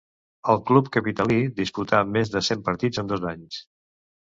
Al club capitalí disputa més de cent partits en dos anys.